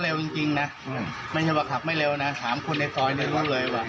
มันเยืองแล้วมองแล้วผมก็เดินออกมาถามว่าเชียนกินอะไร